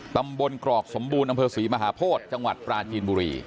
ตำบลกรอกสมบูรณ์อศรีมหาโพธจังหวัดปราชินบุรี